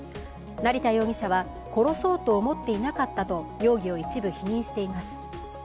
成田容疑者は、殺そうと思っていなかったと容疑を一部否認しています。